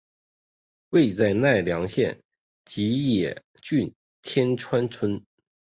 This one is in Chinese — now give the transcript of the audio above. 位在奈良县吉野郡天川村。